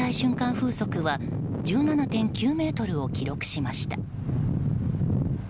風速は１７．９メートルを記録しました。